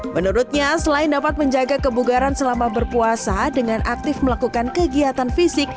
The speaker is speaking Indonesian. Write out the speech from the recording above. menurutnya selain dapat menjaga kebugaran selama berpuasa dengan aktif melakukan kegiatan fisik